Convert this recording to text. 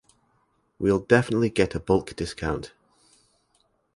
We’ll definitely get a bulk discount.